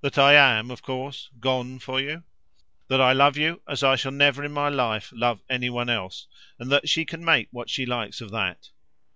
"That I AM of course 'gone' for you?" "That I love you as I shall never in my life love any one else, and that she can make what she likes of that."